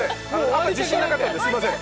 あんまり自信なかったんですいません